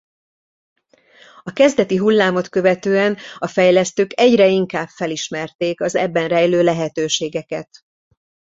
A kezdeti hullámot követően a fejlesztők egyre inkább felismerték az ebben rejlő lehetőségeket.